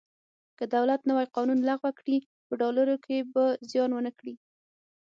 که دولت نوی قانون لغوه کړي په ډالرو کې به زیان ونه کړي.